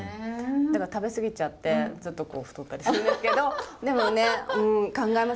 だから食べ過ぎちゃって太ったりするけどでもね考えますよね？